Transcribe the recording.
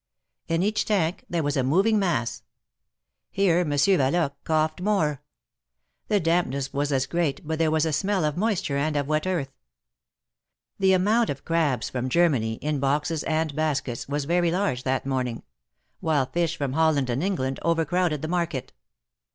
In each tank there was a moving mass. Here Monsieur Yqloqqe coughed more. The 8 126 THE MAEKETS OF PARIS. dampness was as great, but there was a smell of moisture and of wet earth. The amount of crabs from Germany, in boxes and baskets, was very large that morning; while fish from Holland and England overcrowded the market.